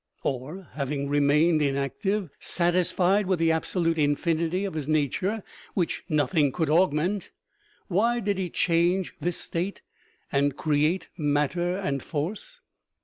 Or, having remained inactive, satisfied with the absolute infinity of his na ture which nothing could augment, why did he change this state and create matter and force?